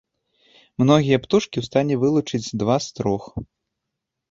Многія птушкі у стане вылучыць два з трох.